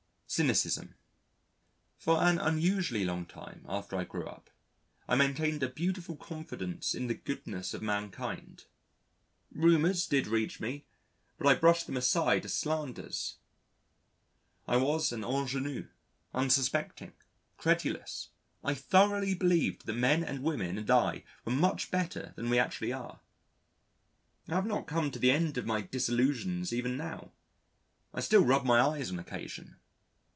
Cynicism For an unusually long time after I grew up, I maintained a beautiful confidence in the goodness of mankind. Rumours did reach me, but I brushed them aside as slanders. I was an ingénu, unsuspecting, credulous. I thoroughly believed that men and women and I were much better than we actually are. I have not come to the end of my disillusions even now. I still rub my eyes on occasion.